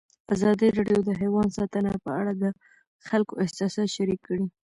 ازادي راډیو د حیوان ساتنه په اړه د خلکو احساسات شریک کړي.